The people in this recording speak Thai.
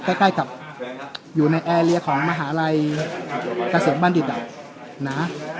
ใกล้ใกล้กับอยู่ในของมหาลัยกระเสวบ้านดิดดับนะ